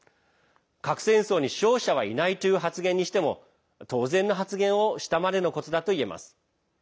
核戦争に勝者はいないという発言にしても当然の発言をしたまでのことだと言えます。